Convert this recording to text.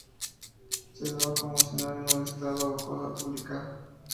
Se daba como sinónimo de Estado o cosa pública.